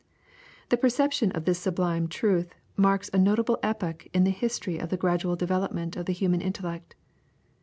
The perception of this sublime truth marks a notable epoch in the history of the gradual development of the human intellect.